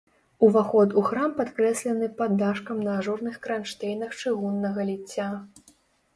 Уваход у храм падкрэслены паддашкам на ажурных кранштэйнах чыгуннага ліцця.